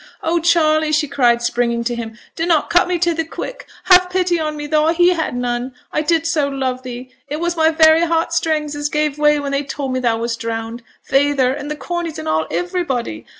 'Oh, Charley!' she cried, springing to him, 'dunnot cut me to the quick; have pity on me, though he had none. I did so love thee; it was my very heart strings as gave way when they told me thou was drowned feyther, and th' Corneys, and all, iverybody.